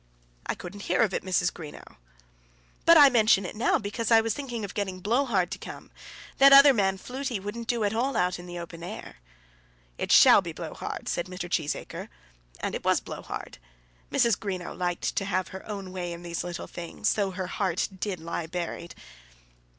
"I couldn't hear of it, Mrs. Greenow." "But I mention it now, because I was thinking of getting Blowehard to come. That other man, Flutey, wouldn't do at all out in the open air." "It shall be Blowehard," said Mr. Cheesacre; and it was Blowehard. Mrs. Greenow liked to have her own way in these little things, though her heart did lie buried.